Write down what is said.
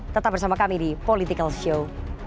tetap bersama kami di politikalshow